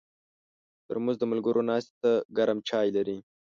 ترموز د ملګرو ناستې ته ګرم چای لري.